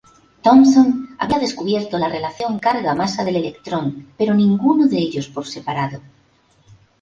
Thomson había descubierto la relación carga-masa del electrón, pero ninguno de ellos por separado.